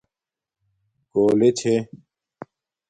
کولے چھے